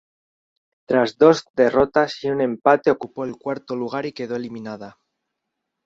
Tras dos derrotas y un empate ocupó el cuarto lugar y quedó eliminada.